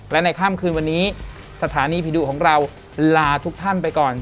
และในค่ำคืนวันนี้สถานีผีดุของเราลาทุกท่านไปก่อน